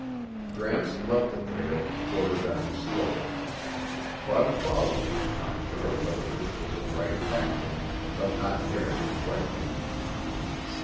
Gramps left the trail to quarter down the slope. Bud followed, not sure whether this was the right tactic, but not daring to question it.